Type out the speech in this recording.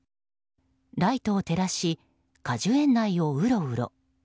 ライトを照らし果樹園内をうろうろ。